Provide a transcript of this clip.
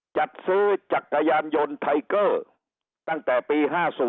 จัดซื้อจักรยานยนต์ไทเกอร์ตั้งแต่ปี๕๐